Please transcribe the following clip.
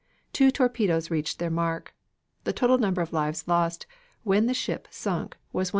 Two torpedoes reached their mark. The total number of lives lost when the ship sunk was 1,198.